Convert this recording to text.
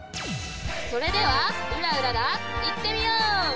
それではうらウララいってみよう！